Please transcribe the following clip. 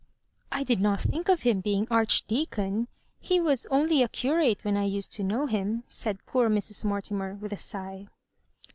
" I did not think of him being Archdeacon — he was only a curate when I used to know him," said poor Mrs. Mortuner, with a sigh.